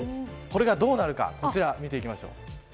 これがどうなるかこちらを見ていきましょう。